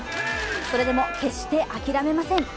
それでも決してあきらめません。